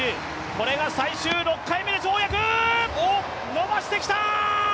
これが最終６回目の跳躍、伸ばしてきた！